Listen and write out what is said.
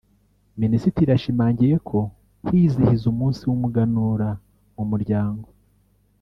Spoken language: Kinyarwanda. Minisitiri yashimangiye ko kwizihiza umunsi w’umuganura mu muryango